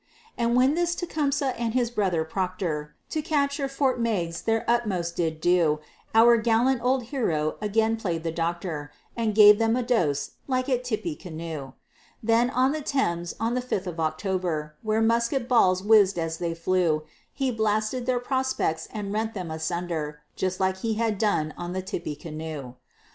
And when this Tecumseh and his brother Proctor, To capture Fort Meigs their utmost did do; Our gallant old hero again play'd the Doctor, And gave them a dose like at Tippecanoe. And then on the Thames, on the fifth of October, Where musket balls whizz'd as they flew; He blasted their prospects, and rent them asunder, Just like he had done on the Tippecanoe.